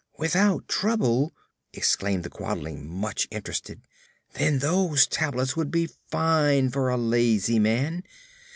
"Without trouble!" exclaimed the Quadling, much interested; "then those tablets would be fine for a lazy man.